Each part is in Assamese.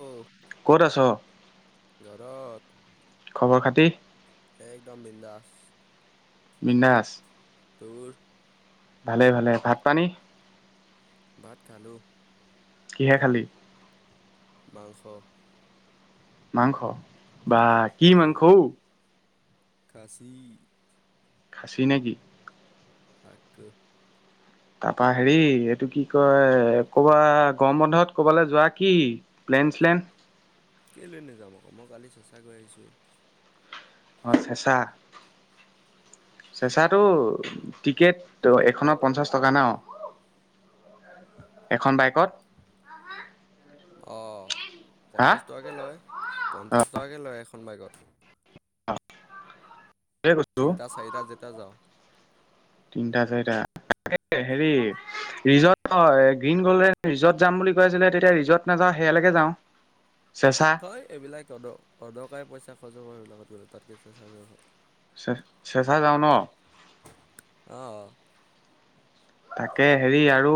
[unintelligible] ক'ত আছ? ঘৰত খবৰ খাতি। একদম বিন্দাছ। বিন্দাছ তোৰ ভালে, ভালে, ভাত পানী। ভাত খালোঁ। কিহে খালী? মাংস। মাংস বা কি অঔ মাংস। খাচী খাছি নেকি। আকৌ তাৰপা হেৰি এইটো কি কয় ক'বা গৰম বন্ধত ক'বালৈ যোৱা কি। প্লেনছিলেণ। কেলে নাযাম আকৌ মই কালি চেঁচা গৈ আহিছোৱে। অ' চেঁচা। চেঁচাটো টিকেট এখনত পঞ্চাশ টকা ন। এখন বাইকত অ' হা পঞ্চাছ টকাকৈ লয় পঞ্চাছ টকাকে লয় এখন বাইকত। তিনিটা চাৰিটা যেতিয়া যাওঁ। তিনিটা চাৰিটা তাকে হেৰি ৰিজৰ্ট হয় গ্ৰীণ গল্ডেন ৰিজৰ্ট যাম বুলি কৈ আছিলে, তেতিয়া ৰিজৰ্ট নাযাওঁ সেয়ালৈকে যাওঁ চেচা? হয় এইবিলাক অদক অদকাৰি পইচা খৰচ হ'ব সেইবাকত গ'লে তাত কে চেঁচা যোৱাই ভাল। চে চেচা যাওঁ ন? অ' অ'। তাকে হেৰি আৰু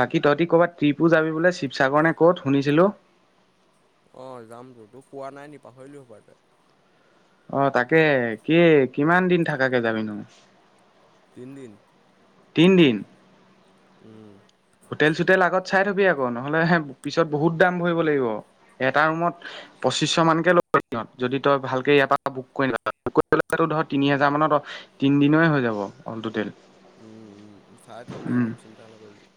বাকী তহ'তি ক'বাত ট্ৰিপো যাবি বোলে শিৱসাগৰ নে ক'ত শুনিছিলো? অঁ যামতো তোক কোৱা নাই নি, পাহৰিলি হ'বপাই তই। অ' তাকে কি কিমান দিন থাকাকে যাবি নো? তিনদিন। তিন দিন? উম। হোটেল চোটেল আগত চাই থবি আকৌ, নহ'লে হে পিছত বহুত দাম ভৰিব লাগিব। এটা ৰুমত পঁচিছশ মানকে লয় সিহঁতে, যদি তই ভালকে ইয়াৰ পৰা বুক কৰি নলয় ধৰ তিনি হাজাৰ মানত তিনদিনৰে হৈ যাব অ'ল টোটেল। উম চাই থ'ম চাই উম থ'ম চিন্তা নকৰিবি।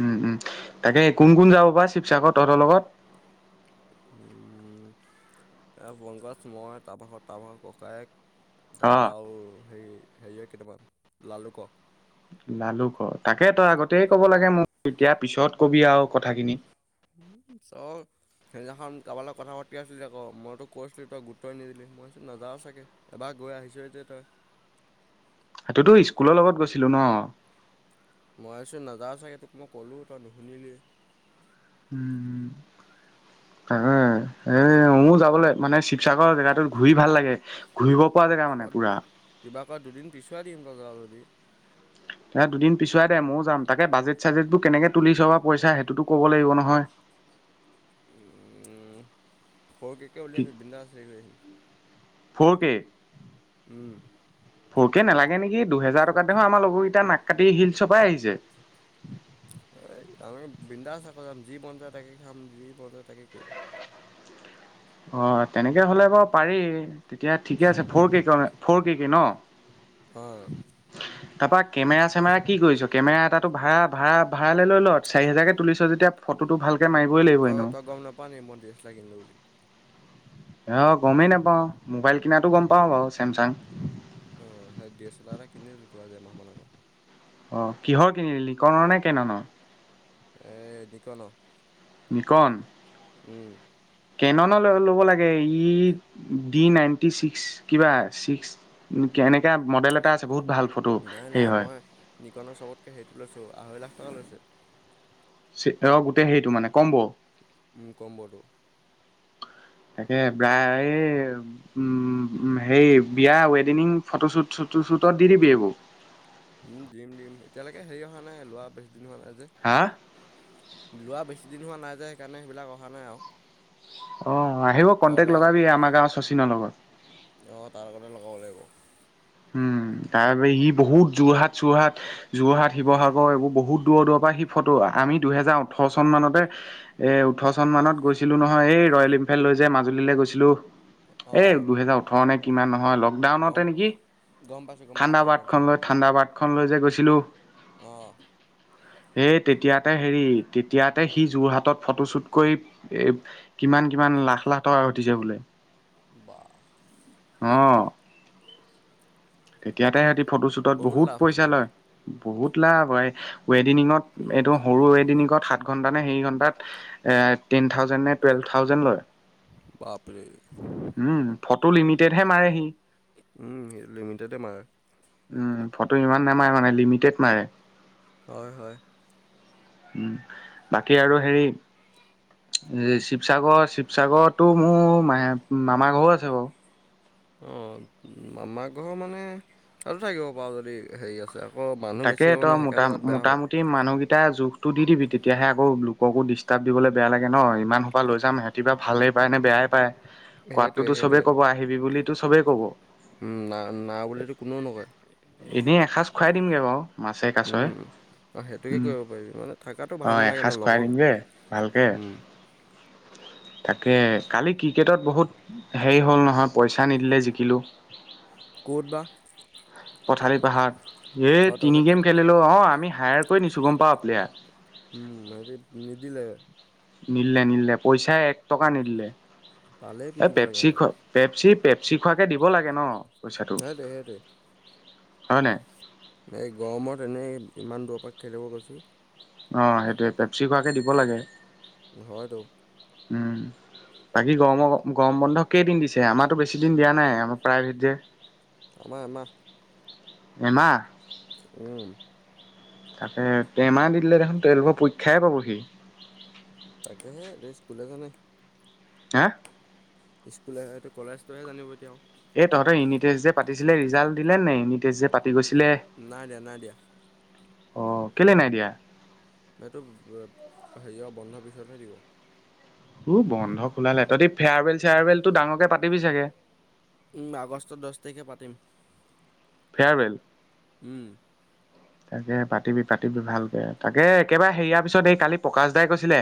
উম উম তাকে কোন কোন যাব বা শিৱসাগৰত তহ'তৰ লগত? উম পঙ্কজ, মই তাৰপাছত তাৰপাছত ককায়েক অ তাৰপৰা আৰু হেৰি হেৰি কেইটামান লালুকৰ। লালুকৰ তাকে তই আগতে ক'ব লাগে মোক, এতিয়া পিছত কবি আৰু কথাখিনি। উম চ [unintelligible] সেইদিনাখন কাৰোবৰ লগত কথা পাতি আছিলি আ'ক, মই তোক কৈছিলো তই গুৰুত্বই নিদিলি, মই ভাবিচো নযাৱ চাগৈ। এবাৰ গৈ আহিছ যেতিয়া তই সেইটোতো স্কুলৰ লগত গৈছিলো ন। মই ভাবিচো নযাৱ চাগৈ, তোক মই ক'লোঁ তই নুশুনিলি। উম। এ মই যাবলৈ মানে শিৱসাগৰ জেগাটোত ঘূৰি ভাল লাগে। ঘূৰিব পৰা জেগা মানে পুৰা। কিবাকৈ দুদিন পিছুৱাই দিম তই যাৱ যদি। এ দুদিন পিচুৱাই দে মইয়ো যাম, তাকে বাজেট চাজেটবোৰ কেনেকে তুলিচ বা পইচা হেইটোটো ক'ব লাগিব নহয়। উম ফ'ৰকে'কে উলিয়াবি বিন্দাচ হেৰি কৰি আহিম। ফ'ৰকে'। উম। ফ'ৰ কে' নালাগে নেকি? দুহেজাৰ টকাত আমাৰ লগৰকেইটা নাক কাটি হিলছৰ পৰা আহিছে। এই আমি এই বিন্দাচ যি মন যায় তাকে খাম যি মন যায় তাকে কৰিম। অ' তেনেকে হ'লে বাৰু পাৰি তেতিয়া ঠিকে আছে ফ'ৰ কে' ফ'ৰকে' কে' ন? অঁ। তাৰপা কেমেৰা চেমেৰা কি কৰিছ, কেমেৰা এটাটো ভড়া ভাড়া ভাড়ালৈ লৈ ল' চাৰি হেজাৰকৈ তুলিছ যেতিয়া ফটোটো ভালকৈ মাৰিবই লাগিব এনেওঁ। কোৱা নাই নেকি মই ডিএসেলাৰ কিনলো বুলি। অঁ গ'মেই নাপাওঁ, মোবাইল কিনাতো গ'ম পাওঁ বাৰু চেমচাং। উম সেই ডি এছ এল আৰ এটা কিনিলোটো আজি এমাহমান আগত। অ' কিহৰ কিনিলি লিকনৰ নে কেননৰ? এ দিকনৰ। দিকন। উম। কেননৰ ল'ব লাগে। ই ডি নাইণ্টি ছিক্স কিবা ছিক্স এনেকৈ মডেল এটা আছে বহুত ভাল ফটো নাই সেই নাই হয়। মই নিকনৰ চবতকৈ হেইটো লৈছোঁ। আঢ়ৈ লাখ টকা লৈছে। চি অ' গোটেই হেৰিটো মানে ক'মব? উ, কম্বটো। তাকে বায় এই হেৰি বিয়া, ৱেডিঙিং ফটোশ্বুট চটো শ্বুটত দি দিবি এইবোৰ। উম, দিম দিম। এতিয়ালৈকে হেৰি অহা নাই লোৱা বেছ দিন হোৱা নাই যে। হা? লোৱা বেছিদিন হোৱা নাই যে সেইকাৰণে সেইবিলাক অহা নাই আৰু। অ' আহিব, কণ্টেক্ট অৰ্ডাৰ লগাবি আমাৰ গাঁৱৰ শচীনৰ লগত। অ' তাৰ লগতে লগাব লাগিব। উম, তাৰ হি বহুত যোৰহাট চোৰহাট যোৰহাট শিৱসাগৰ এইবোৰ বহুত দূৰৰ দূৰৰপৰা সি ফটো, আমি দুহেজাৰ ওঠৰ চন মানতে এ, ওঠৰ চন মানত গৈছিলোঁ নহয় এই ৰয়েল এনফিল্ড লৈ যে মাজুলীলৈ গৈছিলোঁ এ, অ', দুহেজাৰ ওঠৰ নে কিমান নহয় লগ গম, গম পাইছোঁ। গম পাইছোঁ ঠাণ্ডা লকডাউন বাটখন টাইমত লৈ ঠাণ্ডা বাটখন লৈ যে গৈছিলোঁ। অ', সেই তেতিয়াতে হেৰি তেতিয়াতে সি যোৰহাটত ফটোশ্বুট কৰি কিমান কিমান লাখ লাখ টকা ঘটিছে বোলে। বাহ। অ'। তেতিয়াতে সিহঁতি ফটোশ্বুটত বহুত লাভ আছে পইচা মানে লয়, বহুত লাভ হয়। ৱেডিঙত, এইটো সৰু ৱেডিঙত সাত আঠ ঘন্টা নে সেই ঘন্টাত টেন থাউজেণ্ড নে টুৱেলভ থাউজেণ্ড লয়। বাপৰে। উম, ফটো লিমিটেডহে মাৰে সি। উম, সেইটো লিমিটেডে মাৰে। উম, ফটো ইমান নামাৰে মানে লিমিটেড মাৰে। হয় হয়। উম, বাকী আৰু হেৰি এই শিৱসাগৰ শিৱসাগৰতো মোৰ মে-মামাৰ ঘৰো আছে বাৰু। অ' মামাৰ ঘৰ মানে তাতে থাকিব পাৰ যদি হেৰি আছে আৰু। আকৌ মানুহ বেছি হ'লেনো সেইকাৰণে অলপ বেয়া হ'ব। সেই মানুহকেই কেইটা জোখটো দি দিবি তেতিয়াহে আকৌ লোককো দিচ হিচাপ দিবলৈ বেয়া লাগে ন' ইমান সোপা লৈ যাম, সিহতি ভালেই পায় নে বেয়াই পায়, সেইটোৱে কোৱাটোতো চবেই সেইটোৱে ক'ব আহিবি বুলিতো চবেই ক'ব। না না বুলিতো কোনেও নকয়। এনেই এসাঁজ খুৱাই দিমগে বাৰু মাছে কাছয়ে। উম, অঁ সেইটোকে উম, কৰিব পাৰিবি মানে থাকাটো আ, ভাল নালাগে ন এসাঁজ খুৱাই লগৰ দিমগে ভালকে। [inaudible] উম, তাকে কালি ক্ৰিকেটত বহুত হেৰি হ'ল নহয় পইচা নিদিলে জিকিলোঁ। ক'তবা? পঠালি পাহাৰত। এই তিনি গেম খে- খেলিলোঁ। অ' আমি হায়াৰ কৰি নিছোঁ গ'ম পাওঁ প্লেয়াৰ। উম, হেৰি নিদিলে? নিদিলে নিদিলে, পইচাই এক টকা নিদিলে। পালেই এই পিটিব লাগে পেপচি সিহঁতক পেপচি পেপচি খোৱাকে দিব লাগে ন, পইচাটো। সেইটোৱে সেইটোৱে হয়নে? এই গৰমত এনেই ইমান দূৰৰপৰা খেলিব গৈছোঁ। অ সেইটোৱে পেপচি খোৱাকে দিব লাগে নহয়তো উম বাকী গৰমৰ গৰম বন্ধ কেইদিন দিছে আমাৰো বেছি দিন দিয়া নাই আমাৰ প্ৰাইভেট যে আমাৰ আমাহ এমা উম তাকতে টেমাহ দি দিলে দেখোন টুৱেলভৰ পৰীক্ষাই পাবহি তাকেহে এই স্কুলে জানে হা স্কুলেহতটো কলেজটোহে জানিব এতিয়াও এই তহঁতৰ ইউনিট টেষ্ট যে পাতিছিলে ৰিজাল্ট দিলে নে ইউনিট টেষ্ট যে পাতি গৈছিলে নাই দিয়া নাই দিয়া অ কেলে নাই দিয়া এইটো হেৰি বন্ধৰ পিছতহে দিব উ বন্ধ খোলালেহঁতি ফেয়াৰৱেল চেয়াৰৱেল ডাঙৰকে পাতিবি চাগে আগষ্টৰ দহ তাৰিখে পাতিম ফেয়াৰৱেল উম তাকে পাতিবি পাতিবি ভালকে তাকে একেবাৰে হেৰিয়াৰ পিছত এই কালি প্ৰকাশ দাই কৈছিলে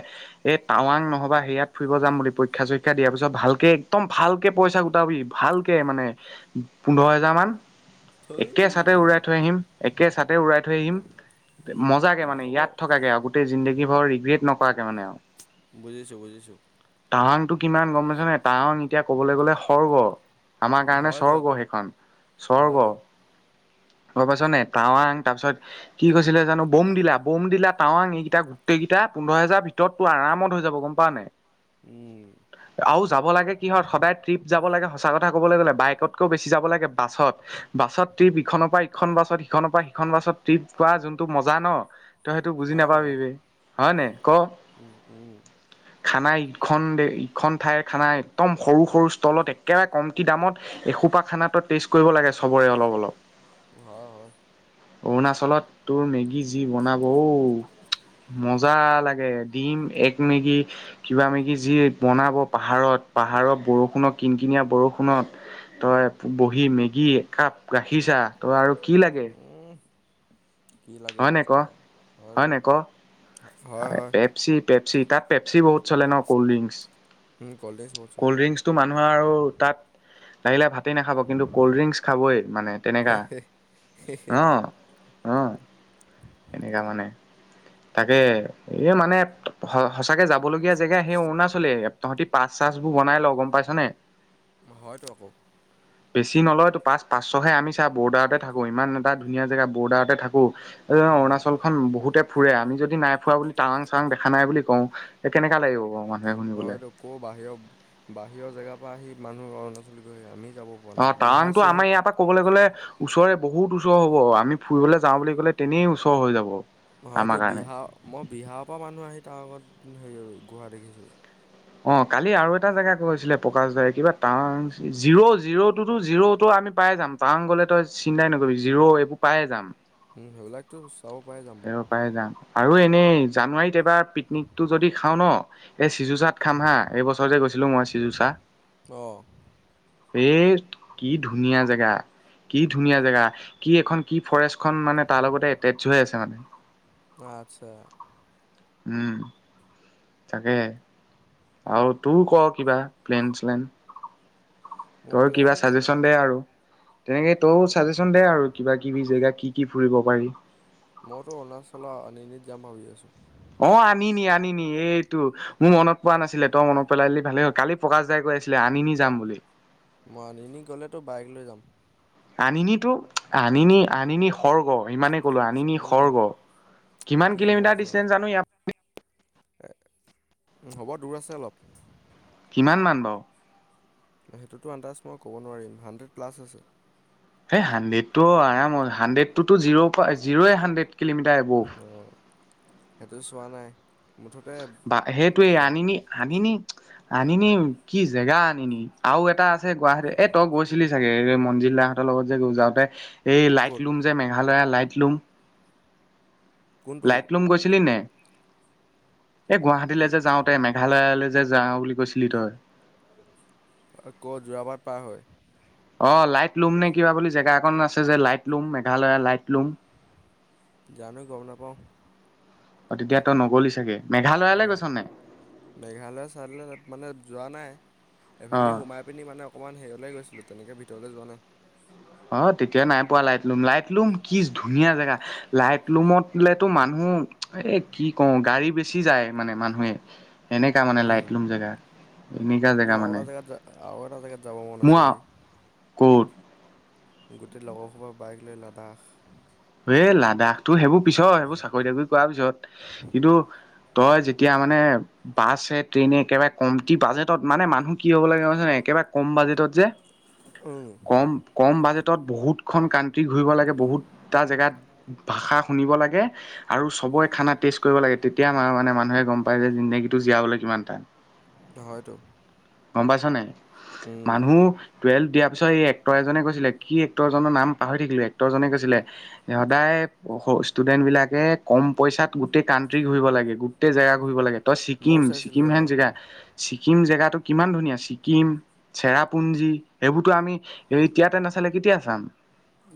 এ টাৱাং নহবা সেৰিয়াত ফুৰিব যাম বুলি পৰীক্ষা চৰীক্ষা দিয়াৰ পিছত ভালকে একদম ভালকে পইচা াবি ভালকে মানে পোন্ধৰ হেজাৰ মান থৈ একে চাতে উৰাই থৈ আহিম একে ছাতে উৰাই থৈ আহিম মজাকে মানে হ'ব। ইয়াত থকাকেগ জিন্দগী ভৰ ৰিগ্ৰেট নকৰাকে মানে আৰু বুজিছো বুজিছো াৱাংতটো কিমান গম পাইছ নে াৱং এতিয়া ক'বলৈ গ'লে সৰ্গ আমাৰ উম, কাৰণে হয়তো স্বৰ্গ আকৌ সেইখন স্বৰ্গ হয়তো। গ পাইছ নে টাৱাং তাৰপিছত কি কৈছিলে জানো বম দিলা বম দিলা াৱং এইকেইটা গোটেই কেইটা পোন্ধৰ হজাৰ ভিতৰতটোোৰাম হৈ যাব গম পোৱা নাই হয় উম আৰু যাব লাগে কিহত সদায় ট্ৰিপ যাব লাগে সঁচা কথা ক'বলৈ গ'লে বাইকতকৈও বেছি যাব লাগে বাছত বাছত ট্ৰিপ ইখনৰ পৰা ইখন বাছত সিখনৰ পৰা সিখন বাছত ট্ৰিপ পোৱা যোনটো মজা ন তই সেইটো বুজি হয় বাৰু। নাপাবিবি হয়নে ক উম, উম, খানা ইখন ইখন ঠাইৰ খানা একদম সৰু সৰু ষ্টলত একেবাৰে কমটি দামত এসোপা খানাো টেষ্ট কৰিব লাগে সবৰে অলপ অলপ হয় হয় অৰুণাচলত তোৰ মেগী যি বনাব মজা লাগে দিম এক মেগি কিবা মেকি যি বনাব পাহাৰত পাহাৰত বৰষুণত কিন কিনিয় বৰষুনত তই বহী মেগী একাপ গাখীৰ চা তই আৰু কি লাগে কি লাগে হয় নে ক তাতকৈ আৰু হয় হয়তো নে ক হয় হয় পেপচি পেপচি তাত পেপচি বহুত চলে ন কল্ডদ্ৰিংকচ। উম, ক'ল্ড ড্ৰিংকছ বহুত চলে। কল্ডদ্ৰিংকচ টো মানুহ আৰু তাত লাগিলে ভাই নাখাব কিন্তু কল্ড ড্ৰিংকচ খাবই মানে তেনেককা হ এনেকুৱা মানে তাকে এই মানে সঁচাকে যাবলগীয়া জেগা সেই অৰুণাচলে তহঁতি পাচ চছবোৰ বনাই ল গম পাইছ নে হয়তো আকৌ [unintelligible] বেছি নলয় তো পাঁচ পাঁচশহে আমিছা বৰ্ডাৰতে থাকো ইমান এটা ধুনীয়া জেগা বৰ্ডাৰতে থাকো এই উম, অৰুণালখন বহুতে ফুৰে আমি যদি নাই ফুৰা বুলি টাৱাং, চাং দেখা নাই বুলি কওঁ। এই কেনেকা লাগিব বাৰু মানুহে শুনিবলৈ আকৌ বাহিৰৰ, বাহিৰৰ জেগাৰ পৰা আহি মানুহ অৰুণাচলী গৈ আহি আমি যাব। পৰা অ, নাই। বিহাৰ তাৱাংটো চিহাৰ আমাৰ ইয়াৰ পৰা ক'বলৈ গ'লে ওচৰে বহুত ওচৰ হ'ব আমি ফুৰিবলৈ যাওঁ বুলি ক'লে তেনে ওচৰ হৈ যাব। নহয় আমাৰ এইটো কাৰণে বিহাৰ মই বিহাৰৰ পৰা মানুহ আহি তাৰ আগত হেৰি গোহা দেখিছো। অ, কালি আৰু এটা জেগা গৈ আছিলে প্ৰকাশদাৰী কিবা টাউ zero zero two, two zero টো আমি পাই যাম। পাওঁ গ'লে তই চিন্তাই নকৰিবি জিৰ' এইবোৰ পায়ে যাম। উম, সেইবিলাক ত, চাব পাই যাম। স, বাৰু পৰাাই যাম আৰু এনেই জানুৱাৰীত এবাৰ পিকনিক টো যদি খাও, ন, এই চিযুচান ভাত খাম হা এই বছৰতে গৈছিলোঁ মই চিজুচা। অঁ এ, কি ধুনীয়া জেগা, কি ধুনীয়া জেগা কি এখন কি ফৰেষ্ট খখন মানে তাৰ লগতে এটেচ হৈ আছে মানে। আচ্ছা। উম। তাকে আৰু তোৰ ক কি'বা প্লেন, চ্লেন? মোৰ তোৰ প্লেন কি'বা তেনে চাজেশচন দে আৰু। তেনেকৈ তো ছাজেশ্যন দে আৰু কিবা, কিবি জেগা কি, কি ফুৰিব পাৰি। মইতো অৰুণাচলৰ আনিনীত যাম ভাবি আছোঁ। অ, আনিনি, আনিনি এইটো মোৰ মনত পোৱা নাছিলে তই মনত পেলাইলি ভালে হ'ল কালি প্ৰকাশ দাই কৈ আছিল আনি নি যাম বুলি। মানিনী গ'লেতো বাইক লৈ যাম। আনিনো, আনিনি, আনিনি সৰ্গ ইমানে আমিনি আ, উম সৰ্গ কিমান কি কিলোমিটাৰ মজা। ডিচটেন্স হ'ব দূৰ আছে অলপ। কিমান মমান বাৰু? সেইটো আন্দাজ মই ক'ব নোৱাৰিম হাণ্ড্ৰেড প্লা আছে। হেই হাণ্ড্ৰেড টো আৰাম হাড্ৰেড টো জিৰ' পৰা জিৰ'ই হাণ্ড্ৰেড কিলোমিটাৰ এব'ভ। অঁ। সেইটো চোৱা নাই মুঠতে বা সেইটোৱে যাম। আনিনি আনিনি, আনিনি কি জেগা আনিনি আৰু এটা আ আছে গুৱাহাটী এ তই গৈছিলি চাগে এই মন্জিল দাহঁতৰ লগত যে গৈ যাওঁতে এই লাইট ক'ত লুম যে ম আলৰে লাইট লুম। কোনটো লাইট লুম গৈছিলি নে? এই গুৱাহাটীলৈ যে যাওতে মেঘালয়লৈ যে যাওঁ বুলি কৈছিলি তই। ক'ত যোৰাবাট পাৰ হয়। অ, লাইট লুম নে কিবা বুলি জেগা একখন আছে যে লাইট লুম মেঘালয়ৰ লাইট লুম। জানো গম নাপাও। অ, তেতিয়া তই নগ'লি চাগে। অ, মেঘালয়ালৈ গৈছ নাই মেঘালয় চাইলৈ মানে যোৱা নাই অ এইফালি সোমাই আপুনি মানে অকণমানেৰিয়লৈ গৈছিলো তেনেকৈ ভিতৰলৈ যোৱা নাই। অ, তেতিয়া নাই পোৱা লাইট লুম, লাইট লুম কি ধুনীয়া জেগা। লাইট লুমতলেতো মানুহ এ, কি কওঁ গাড়ী বেচি যায় মানে মানুহে। এনেকা মানে লাইট উম, লুম জেগা। এনেকা জেগা মোৰ মানে আওটা জেগাত য আও এটা জেগাত যাব মন আছে মোৰ ব। ক'ত? গোটেই লগৰসবা বাইক লৈ লাডাখ। এ, লাডাখটো সেইবোৰ পিছৰ সেইবোৰ চাকৰি, তাকৰি কৰাৰ পিছত কিন্তু তই যেতিয়া মানে বাছে, ট্ৰেইনে একেবাৰে কমটি বাজেটত মানে মানুহ কি হ'ব লাগে হৈছে নে একেবাৰে কম বাজেটত যে- উম, কম, কম বাজেটত বহুতখন কাণ্ট্ৰি ঘূৰিব লাগে। বহুত টা জেগাত ভাষা শুনিব লাগে। আৰু চবই খানা টেষ্ট কৰিব লাগে, তেতিয়া মানে মানুহে গম পায় যে জিন্দেগীটো জীয়াবলৈ কিমান টান। [inaudible] নহয়তো। গম পাইছ নাই। উম। মোৰ টুৱেল্ভ দিয়াৰ পিছত এই এক্টৰ এজনে কৈছিলে- কি এক্টৰজনৰ নাম পাহৰি থাকিলোঁ। এক্টৰজনে কৈছিলে সদায় ষ্টুডেণ্টবিলাকে কম পইচাত গোটেই কাণ্ট্ৰি ঘূৰিব লাগে, গোটেই জেগা ঘূৰিব লাগে। তই ছিকিম, ময়ো চাইছিলোঁ ছিকিম অ, হেন জেগা ছিকিম জেগাটো কিমান ধুনীয়া। ছিকিম চেৰাপুঞ্জী, এবোৰতো আমি এইতিয়াতে নাচালে, কেতিয়া চাম।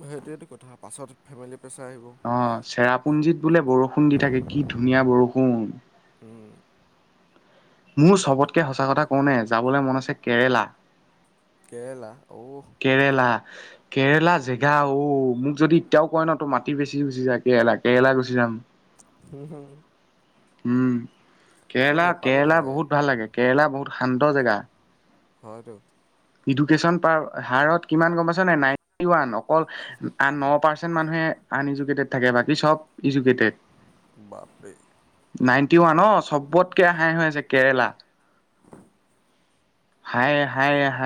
সেইটোৱেটো কথা, পাছত ফেমিলি প্ৰেছাৰ আহিব। অ', চেৰাপ পুঞ্জিত বোলে বৰষুণ দি থাকে, কি ধুনীয়া বৰষুণ। উম, মোৰ চবতকৈ সঁচা কথা কওঁনে, যাবলৈ মন আছে কেৰেলা। কেৰেলা, ঔহ। কেৰেলা, কেৰেলা জেগা অ' মোক যদি এতিয়াও কয় ন', তোৰ মাটি বেছি গুচি যায় কেৰেলা, কেৰেলা গুচি যাম। হম, হু। উম। মোৰ কেৰেলা, নেপালো ভাল কেৰেলা বহুত ভাল লাগে। কেৰেলা বহুত শান্ত জেগা। হয়তো। ইডুকেশ্যন পাৰ হাৰত কিমান গম পাইছ' নাই নাইনটি ওৱান। অকল আন ন' পাৰ্চেন্ট মানুহে আন এজুকেটেড থাকে, বাকী চব ইজোকেটেদ। বাপৰে- নাইণ্টি ওৱান অ' চবতকৈ হাই হৈ আছে কেৰেলা। হায়ে, হায়ে, হায়